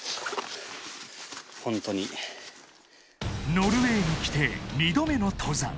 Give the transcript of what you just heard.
［ノルウェーに来て２度目の登山］